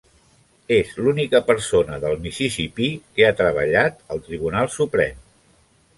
És l'única persona del Mississippí que ha treballat al Tribunal Suprem.